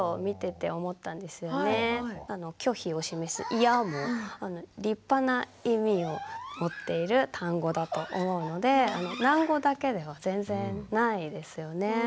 拒否を示す「イヤ！」も立派な意味を持っている単語だと思うので喃語だけでは全然ないですよね。